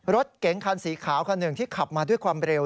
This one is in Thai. รถเก๋งคันสีขาวคันหนึ่งที่ขับมาด้วยความเร็ว